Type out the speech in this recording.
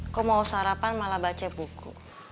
kok mau sarapan malah baca buku